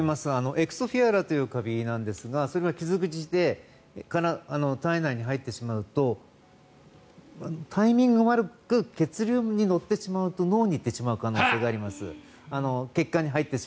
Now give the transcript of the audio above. エクソフィアラというカビなんですがそれは傷口で体内に入ってしまうとタイミング悪く血流に乗ってしまうと脳に行ってしまう可能性があります。